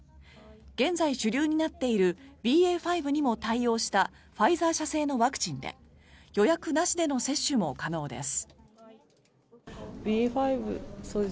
現在、主流になっているＢＡ．５にも対応したファイザー社製のワクチンで予約なしでの接種も可能です。